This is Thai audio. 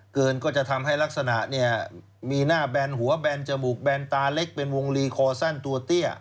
ก็จะทำให้ลักษณะเนี่ยมีหน้าแบนหัวแบนจมูกแบนตาเล็กเป็นวงลีคอสั้นตัวเตี้ย